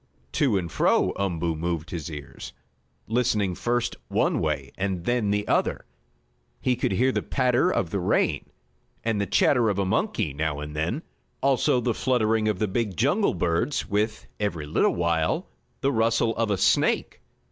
To and fro Umboo moved his ears, listening first one way and then the other. He could hear the patter of the rain, and the chatter of a monkey now and then, also the fluttering of the big jungle birds, with, every little while, the rustle of a snake.